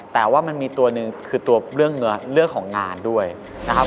แต่ว่ามันมีตัวหนึ่งคือตัวเรื่องของงานด้วยนะครับ